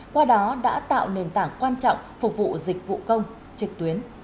qua đó đã tạo nền tảng quan trọng phục vụ dịch vụ công trực tuyến